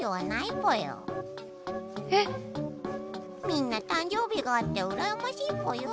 みんな誕生日があってうらやましいぽよ。